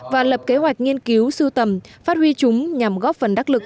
và lập kế hoạch nghiên cứu sưu tầm phát huy chúng nhằm góp phần đắc lực